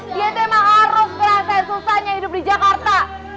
dia tuh emang harus merasakan susahnya hidup di jakarta